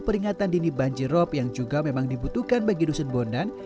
peringatan dini banjir rob yang juga memang dibutuhkan bagi dusun bondan